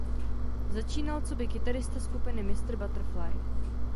Začínal coby kytarista skupiny Mister Butterfly.